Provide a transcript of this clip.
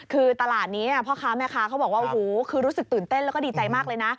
คือตลาดนี้พ่อค้าแม่ค้าเขาบอกว่าโอ้โหคือรู้สึกตื่นเต้นแล้วก็ดีใจมากเลยนะ